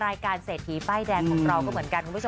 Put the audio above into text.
รายการเศรษฐีใบ้แดงของเราก็เหมือนกัน